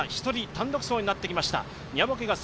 １人単独走になってきました。